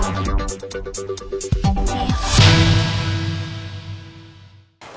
นี่ค่ะ